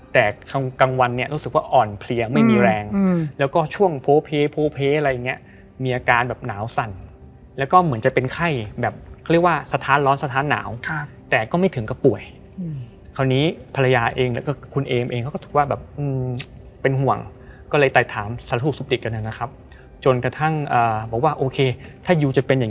แต่กลางวันเนี้ยรู้สึกว่าอ่อนเพลีย